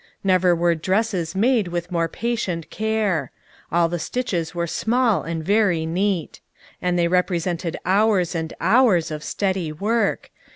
Never were dresses made with more patient care. All the stitches were small and very neat. And they represented hours and hours of steady work.